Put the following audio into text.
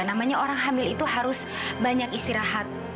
namanya orang hamil itu harus banyak istirahat